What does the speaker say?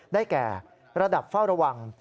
ได้แก่ระดับเฝ้าระวัง